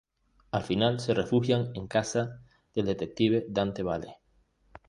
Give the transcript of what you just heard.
Al final se refugian en casa del detective Dante Vale.